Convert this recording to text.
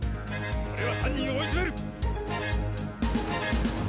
俺は犯人を追い詰める！